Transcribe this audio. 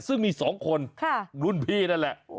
ซึ่งมี๒คนรุ่นพี่นั่นแหละ